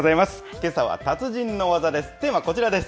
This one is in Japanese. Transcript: けさは達人の技です。